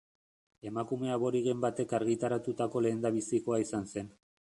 Emakume aborigen batek argitaratutako lehendabizikoa izan zen.